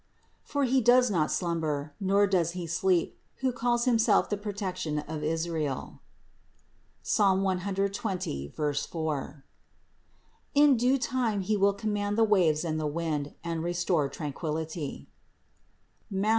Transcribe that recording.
For He does not slumber, nor does He sleep, who calls Himself the protection of Israel (Ps. 120, 4). In due time He will command the waves and the wind, and restore tranquillity (Matth.